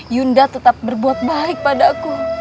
yunda tetap berbuat baik padaku